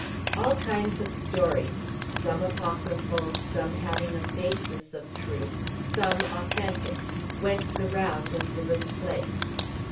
All kinds of stories, some apocryphal, some having a basis of truth, some authentic, went the round of the little place.